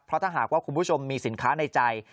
ถ้าหากว่าคุณผู้ชมมีสินค้าในใจ